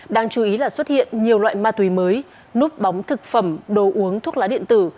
đáng chú ý là xuất hiện nhiều loại ma túy mới núp bóng thực phẩm đồ uống thuốc lá điện tử